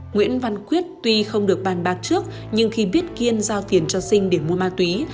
nguyễn văn quyết tuy không được bàn bạc trước nhưng khi biết kiên giao tiền cho sinh để mua ma túy